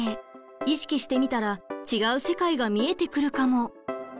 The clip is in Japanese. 意識してみたら違う世界が見えてくるかも！